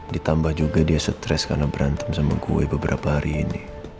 ditambah juga dia stres karena berantem sama kue beberapa hari ini